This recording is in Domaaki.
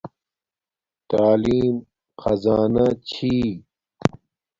تعلیم خزانہ چھی